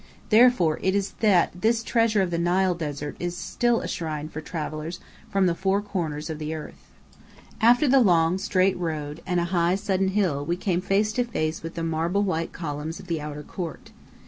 Therefore is it that this treasure of the Nile desert is still a shrine for travellers from the four corners of the earth. After the long, straight road, and a high, sudden hill, we came face to face with the marble white columns of the outer court.